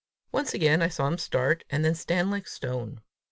Once again I saw him start, and then stand like stone.